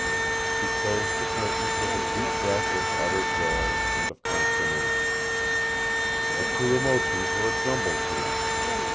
He closed the curtains with a deep breath of utter joy and of consternation. The two emotions were a jumble to him.